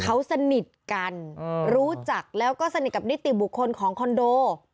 เขาสนิทกันรู้จักแล้วก็สนิทกับนิติบุคคลของคอนโด